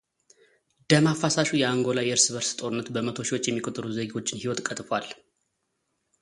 ደም አፋሳሹ የአንጎላ የእርስ በርስ ጦርነት በመቶ ሺዎች የሚቆጠሩ ዜጎችን ሕይወት ቀጥፏል።